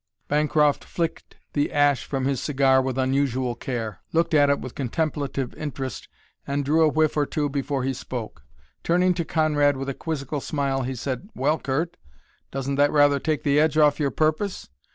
Bancroft flicked the ash from his cigar with unusual care, looked at it with contemplative interest, and drew a whiff or two before he spoke. Turning to Conrad with a quizzical smile, he said: "Well, Curt, doesn't that rather take the edge off your purpose?